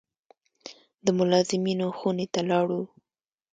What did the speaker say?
د ملازمینو خونې ته لاړو.